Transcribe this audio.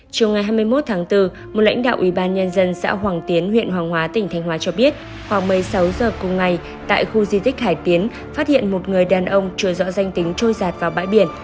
chiều ngày hai mươi một tháng bốn một lãnh đạo ủy ban nhân dân xã hoàng tiến huyện hoàng hóa tỉnh thành hóa cho biết khoảng một mươi sáu giờ cùng ngày tại khu di tích hải tiến phát hiện một người đàn ông trôi dõi danh tính trôi giạt vào bãi biển